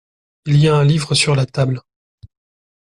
Il y a un livre sur la table.